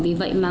vì vậy mà